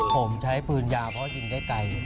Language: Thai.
ผมใช้ปืนยาวเพราะยิงได้ไกล